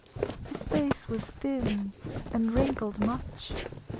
His face was thin and wrinkled much.